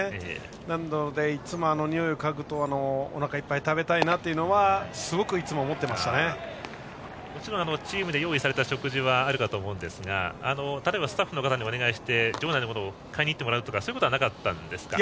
なので、いつもあのにおいをかぐとおなかいっぱい食べたいなというのはもちろんチームで用意された食事もあるかと思いますが例えばスタッフの方にお願いして買いに行ってもらうとかそういうことはなかったんですか。